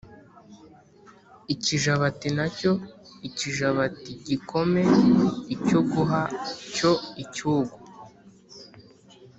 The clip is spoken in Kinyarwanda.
ikijabati na cyo ikijabat i gikome icyoguha cyo icyugu